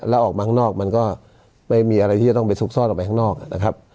แล้วออกมาข้างนอกมันก็ไม่มีอะไรที่จะต้องไปซุกซ่อนออกไปข้างนอกนะครับ